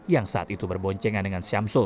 yang saat itu berboncengan dengan syamsul